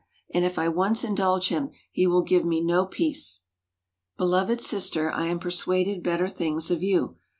And if I once indulge him, he will give me no peace." Beloved sister, I am persuaded better things of you.